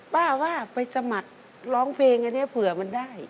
ว่าไปสมัครร้องเพลงอันนี้เผื่อมันได้